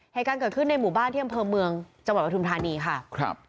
ในการเกิดขึ้นในหมู่บ้านเที่ยงเผิมเมืองจังหวัดประถุมธานีค่ะ